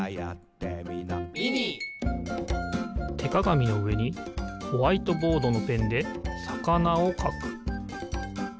てかがみのうえにホワイトボードのペンでさかなをかく。